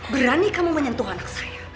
berani kamu menyentuh anak saya